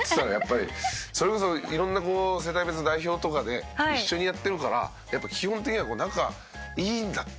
それこそ色んな世代別の代表とかで一緒にやってるから基本的には仲いいんだって。